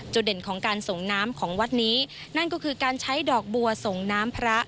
เด่นของการส่งน้ำของวัดนี้นั่นก็คือการใช้ดอกบัวส่งน้ำพระ